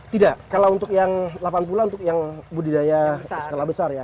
tidak kalau untuk yang delapan puluh an untuk yang budidaya skala besar ya